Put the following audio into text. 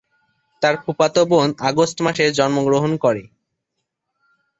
তার ফুফাতো বোন আগস্ট মাসে জন্মগ্রহণ করে।